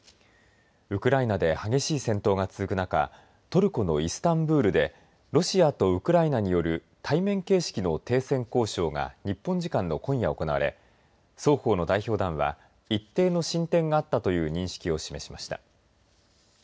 ウクライナで激しい戦闘が続く中トルコのイスタンブールでロシアとウクライナによる対面形式の停戦交渉が日本時間の今夜行われ双方の代表団は一定の進展があったという認識を示しました。